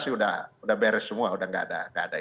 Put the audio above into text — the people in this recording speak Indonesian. sudah beres semua sudah tidak ada